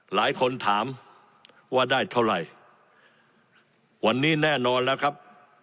หลายคนถามว่าได้เท่าไหร่วันนี้แน่นอนแล้วครับ